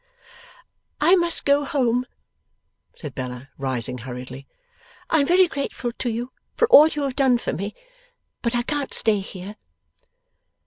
'I must go home,' said Bella, rising hurriedly. 'I am very grateful to you for all you have done for me, but I can't stay here.